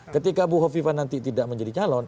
ketika buhafifah nanti tidak menjadi calon